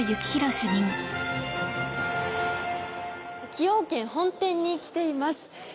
崎陽軒本店に来ています。